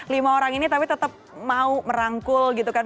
lima orang ini tapi tetap mau merangkul gitu kan